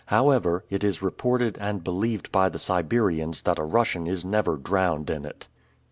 However, it is reported and believed by the Siberians that a Russian is never drowned in it.